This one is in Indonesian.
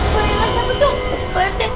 bayangan siapa tuh